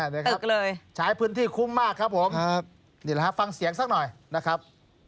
นี่ครับตึกเลยใช้พื้นที่คุ้มมากครับผมนี่แหละครับฟังเสียงสักหน่อยนะครับ